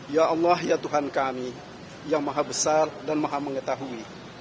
ya allah ya tuhan kami yang maha besar dan maha mengetahui